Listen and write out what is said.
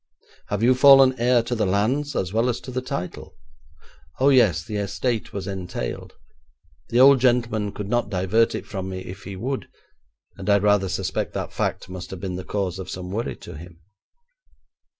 'Have you fallen heir to the lands as well as to the title?' 'Oh, yes; the estate was entailed. The old gentleman could not divert it from me if he would, and I rather suspect that fact must have been the cause of some worry to him.'